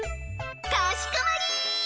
かしこまり！